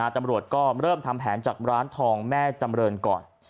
ตำรวจก็เริ่มทำแผนจากร้านทองแม่จำเรินก่อน